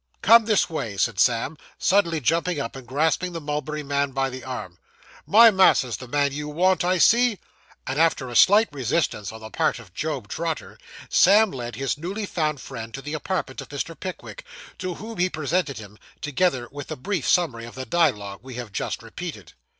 'Come this way,' said Sam, suddenly jumping up, and grasping the mulberry man by the arm. 'My mas'r's the man you want, I see.' And after a slight resistance on the part of Job Trotter, Sam led his newly found friend to the apartment of Mr. Pickwick, to whom he presented him, together with a brief summary of the dialogue we have just repeated.